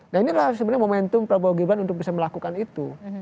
nah inilah sebenarnya momentum prabowo gibran untuk bisa melakukan itu